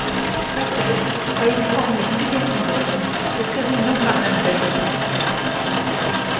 Sa tête a une forme triangulaire se terminant par un bec.